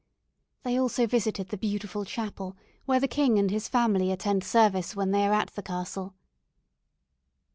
They also visited the beautiful chapel, where the king and his family attend service when they are at the castle.